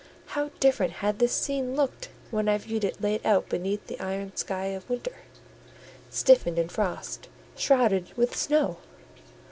How different had this scene looked when I viewed it laid out beneath the iron sky of winter, stiffened in frost, shrouded with snow!